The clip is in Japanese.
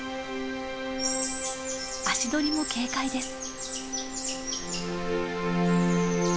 足取りも軽快です。